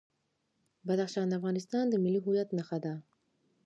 بدخشان د افغانستان د ملي هویت نښه ده.